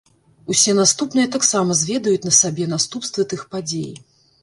Усе наступныя таксама зведаюць на сабе наступствы тых падзей.